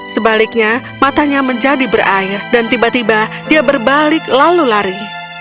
sebaliknya matanya menjadi berair dan tiba tiba dia berbalik lalu lari